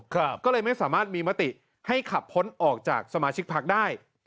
ก็เลยไม่สามารถมีมติให้ขับพ้นออกจากสมาชิกพักได้